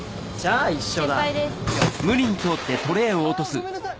あごめんなさい！